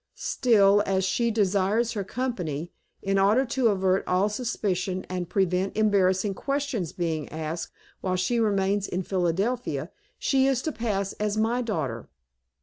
Still, as she desires her company, in order to avert all suspicion, and prevent embarrassing questions being asked, while she remains in Philadelphia she is to pass as my daughter."